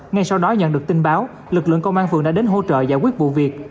ngay sau đó nhận được tin báo lực lượng công an phường đã đến hỗ trợ giải quyết vụ việc